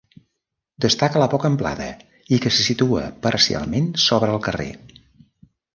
Destaca la poca amplada i que se situa parcialment sobre el carrer.